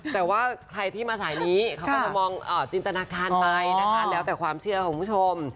แต่ว่าใครที่มาสายนี้เขาก็จะมองจินตนาการไปนะคะแล้วแต่ความเชื่อของคุณผู้ชม